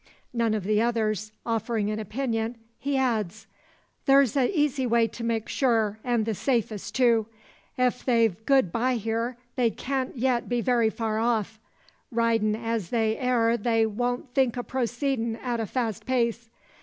None of the others offering an opinion, he adds "Thur's a eezy way to make sure, an' the safest, too. Ef they've good by hyar, they can't yet be very far off. Ridin' as they air they won't think o' proceedin' at a fast pace.